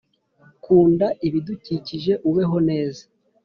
kunda ibidukikije, ubeho neza